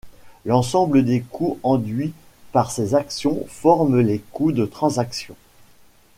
L'ensemble des coûts induits par ces actions forment les coûts de transaction.